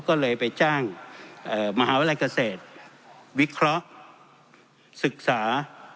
ก็เลยไปจ้างมหาวิทยาลัยเกษตรวิเคราะห์ศึกษา